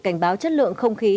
cảnh báo chất lượng không khí